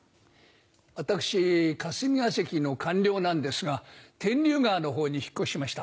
私霞が関の官僚なんですが天竜川のほうに引っ越しました。